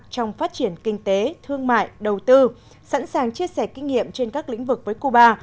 trong phát triển kinh tế thương mại đầu tư sẵn sàng chia sẻ kinh nghiệm trên các lĩnh vực với cuba